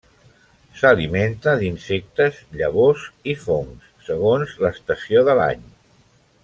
S'alimenta d'insectes, llavors i fongs segons l'estació de l'any.